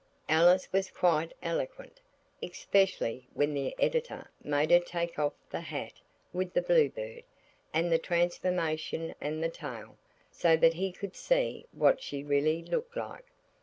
Alice was quite eloquent, especially when the Editor made her take off the hat with the blue bird, and the transformation and the tail, so that he could see what she really looked like.